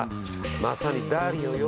まさに。